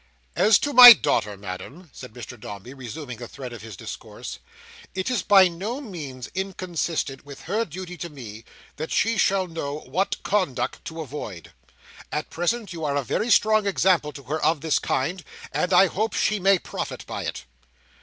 "As to my daughter, Madam," said Mr Dombey, resuming the thread of his discourse, "it is by no means inconsistent with her duty to me, that she should know what conduct to avoid. At present you are a very strong example to her of this kind, and I hope she may profit by it."